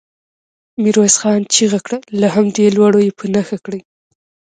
ميرويس خان چيغه کړه! له همدې لوړو يې په نښه کړئ.